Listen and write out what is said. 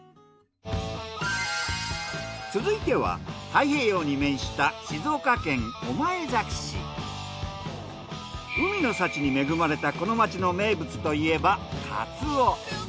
続いては太平洋に面した海の幸に恵まれたこの街の名物といえばカツオ。